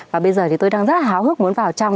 và bây giờ thì tôi đang rất là háo hức muốn vào trong